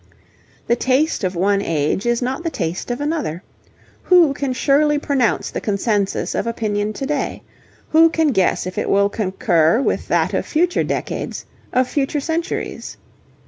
The taste of one age is not the taste of another. Who can surely pronounce the consensus of opinion to day? Who can guess if it will concur with that of future decades of future centuries?